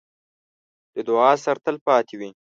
د دعا اثر تل پاتې وي.